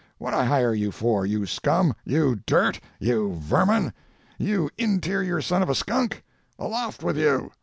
What'd I hire you for, you scum, you dirt, you vermin! You in terior son of a skunk! Aloft with you!